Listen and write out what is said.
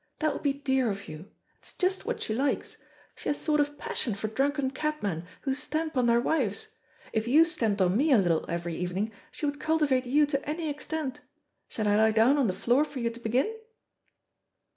That will be dear of you. It's just what she likes. She has sort of passion for drunken cabmen, who stamp on their wives. If you stamped on me a little every evening, she would cultivate you to any extent. Shall I lie down on the floor for you to begin?"